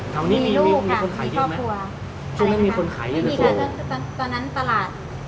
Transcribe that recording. ทำไมอยู่อยู่อยากจะขายเครือเตี๋ยวยเยนาโภ